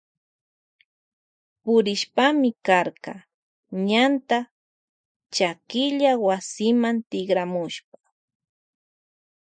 Purishkami karka ñanta chakilla wasima tikramushpa.